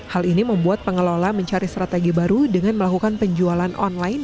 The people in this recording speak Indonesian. hal ini membuat pengelola mencari strategi baru dengan melakukan penjualan online